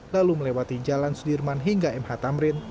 lalu melewati jalan sudirman hingga mh tamrin